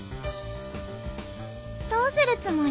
「どうするつもり？」。